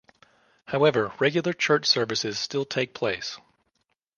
However, regular church services still take place.